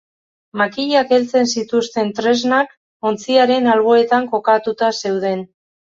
Makilak heltzen zituzten tresnak ontziaren alboetan kokatuta zeuden.